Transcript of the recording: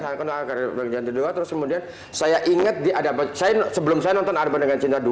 saya kena karyawan jawa terus kemudian saya inget di ada sebelum saya nonton ada peringan cinta dua